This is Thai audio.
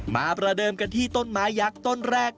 ประเดิมกันที่ต้นไม้ยักษ์ต้นแรก